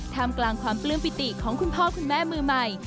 ทำกลางความปลื้มปิติของคุณพ่อคุณแม่มือใหม่